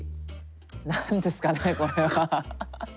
何ですかねこれは。